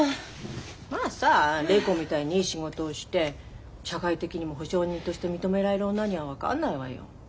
まあさ礼子みたいにいい仕事して社会的にも保証人として認められる女には分かんないわよ。